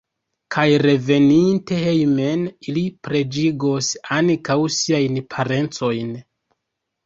Kaj reveninte hejmen ili preĝigos ankaŭ siajn parencojn.